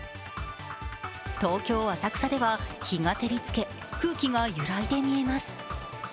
東京・浅草では日が照りつけ空気が揺らいで見えます。